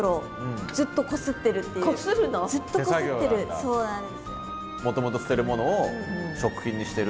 そうなんですよ。